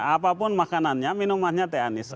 apapun makanannya minumannya te anis